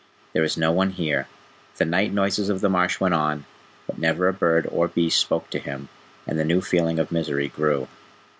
"There is no one here." The night noises of the marsh went on, but never a bird or beast spoke to him, and the new feeling of misery grew.